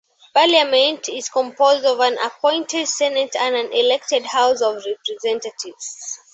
Parliament is composed of an appointed Senate and an elected House of Representatives.